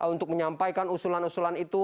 untuk menyampaikan usulan usulan itu